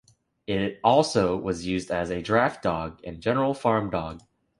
It was also used as a draft dog, and general farm dog.